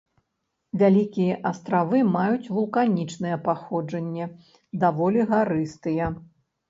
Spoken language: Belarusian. Вялікія астравы маюць вулканічнае паходжанне, даволі гарыстыя.